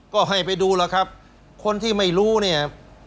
ก็ให้ไปดูแล้วครับคนที่ไม่รู้เนี่ย